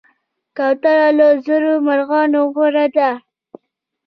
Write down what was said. کوتره له زرو مرغانو غوره ده.